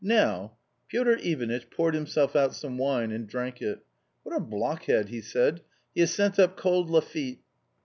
Now " Piotr Ivanitch poured himself out some wine and drank it. "What a blockhead!" he said, "he has sent up cold Lafitte."